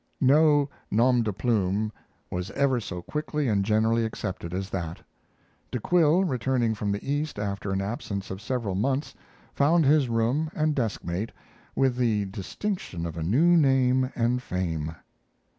No 'nom de plume' was ever so quickly and generally accepted as that. De Quille, returning from the East after an absence of several months, found his room and deskmate with the distinction of a new name and fame.